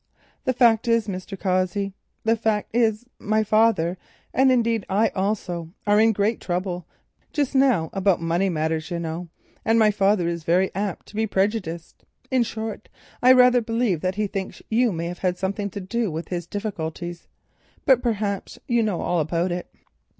"The fact is, Mr. Cossey—the fact is, my father, and indeed I also, are in great trouble just now, about money matters you know, and my father is very apt to be prejudiced,—in short, I rather believe that he thinks you may have something to do with his difficulties—but perhaps you know all about it."